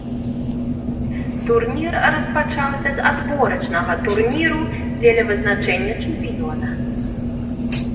Турнір распачаўся з адборачнага турніру, дзеля вызначэння чэмпіёна.